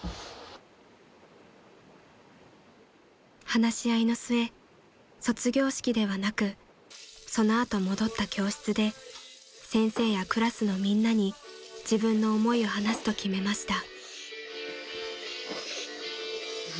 ［話し合いの末卒業式ではなくその後戻った教室で先生やクラスのみんなに自分の思いを話すと決めました］